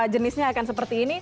jenisnya akan seperti ini